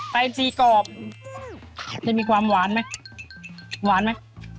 สี่กรอบจะมีความหวานไหมหวานไหม